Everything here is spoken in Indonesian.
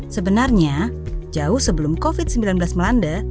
sebenarnya jauh sebelum covid sembilan belas melanda